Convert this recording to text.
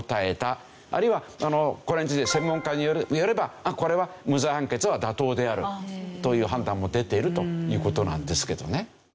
あるいはこれについて専門家によればこれは無罪判決は妥当であるという判断も出ているという事なんですけどね。